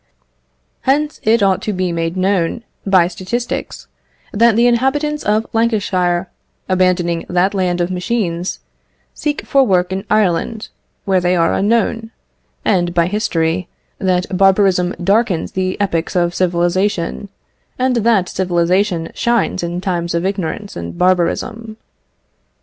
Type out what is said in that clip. Hence, it ought to be made known, by statistics, that the inhabitants of Lancashire, abandoning that land of machines, seek for work in Ireland, where they are unknown; and, by history, that barbarism darkens the epochs of civilisation, and that civilisation shines in times of ignorance and barbarism.